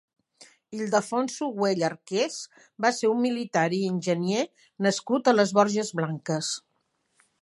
Ildefonso Güell Arqués va ser un militar i enginyer nascut a les Borges Blanques.